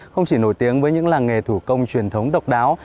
không chỉ nổi tiếng với những làng nghề thủ công truyền thống độc đáo